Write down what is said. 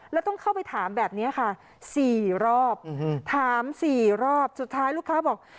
แล้วต้องเข้าไปถามแบบนี้ค่ะ๔รอบถาม๔รอบสุดท้ายลูกค้าบอก